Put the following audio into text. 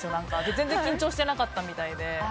全然緊張してなかったみたいで。